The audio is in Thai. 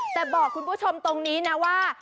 แต่บอกคุณผู้ชมตรงนี้นะว่า